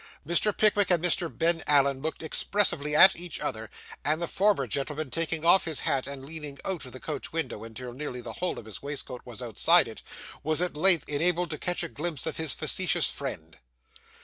Mr. Pickwick and Mr. Ben Allen looked expressively at each other, and the former gentleman taking off his hat, and leaning out of the coach window until nearly the whole of his waistcoat was outside it, was at length enabled to catch a glimpse of his facetious friend.